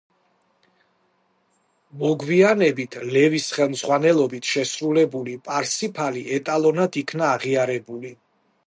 მოგივანებით ლევის ხელმძღვანელობით შესრულებული „პარსიფალი“ ეტალონად იქნა აღიარებული.